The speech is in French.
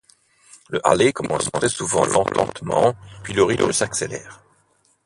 Le halay commence très souvent lentement puis le rythme s'accélère.